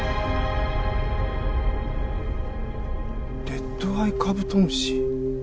レッドアイカブトムシ？